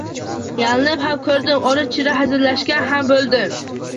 Yalinib ham ko‘rdim, ora-chira hazillashgan ham bo‘ldim